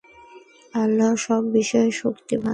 আল্লাহ সর্ববিষয়ে শক্তিমান।